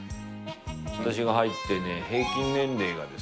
私が入ってね、平均年齢がで